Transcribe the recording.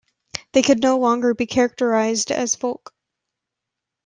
They could no longer be characterized as folk.